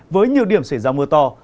với nhiều điểm xảy ra mưa to